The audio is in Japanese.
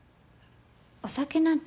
お酒なんて。